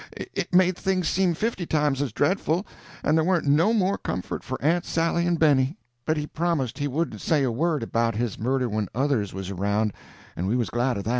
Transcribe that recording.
It made things seem fifty times as dreadful, and there warn't no more comfort for Aunt Sally and Benny. But he promised he wouldn't say a word about his murder when others was around, and we was glad of that.